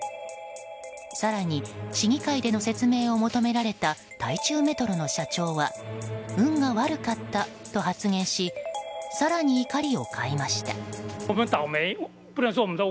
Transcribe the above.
更に市議会での説明を求められた台中メトロの社長は運が悪かったと発言し更に怒りを買いました。